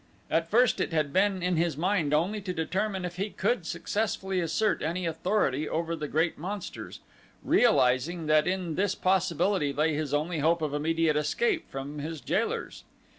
At first it had been in his mind only to determine if he could successfully assert any authority over the great monsters, realizing that in this possibility lay his only hope of immediate escape from his jailers.